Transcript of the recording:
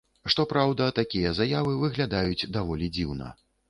Што праўда, такія заявы выглядаюць даволі дзіўна.